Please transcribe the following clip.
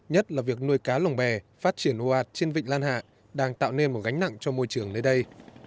nhất là việc nuôi cá lồng bè phát triển ồ ạt trên vịnh lan hạ đang tạo nên một gánh nặng cho môi trường nơi đây